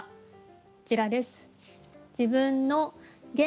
こちらです。